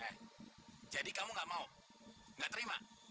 eh jadi kamu gak mau gak terima